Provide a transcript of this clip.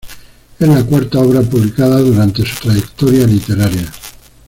Es la cuarta obra publicada durante su trayectoria literaria.